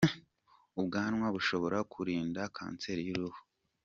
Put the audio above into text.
Ubwanwa bushobora kurinda Kanseri y’uruhu